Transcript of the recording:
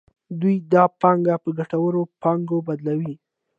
دوی دا پانګه په ګټوره پانګه بدلوي